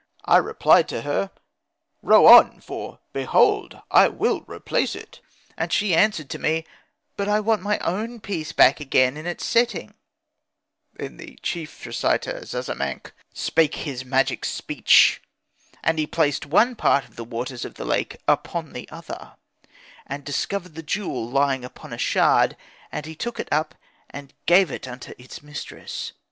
I replied to her, "Row on, for behold I will replace it"; and she answered to me, "But I want my own piece again back in its setting."' Then the chief reciter Zazamankh spake his magic speech. And he placed one part of the waters of the lake upon the other, and discovered the jewel lying upon a shard; and he took it up and gave it unto its mistress.